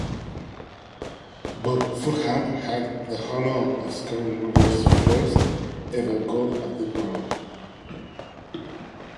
Bob Fullam had the honour of scoring Rovers first ever goal at the ground.